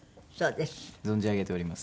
存じ上げております。